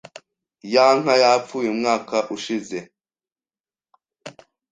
Ya nka yapfuye umwaka ushize.